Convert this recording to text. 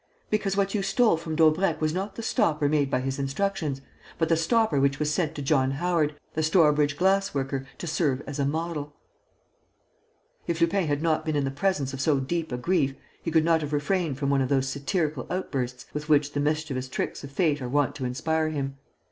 Because what you stole from Daubrecq was not the stopper made by his instructions, but the stopper which was sent to John Howard, the Stourbridge glassworker, to serve as a model." If Lupin had not been in the presence of so deep a grief, he could not have refrained from one of those satirical outbursts with which the mischievous tricks of fate are wont to inspire him.